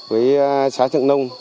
với xã trận nông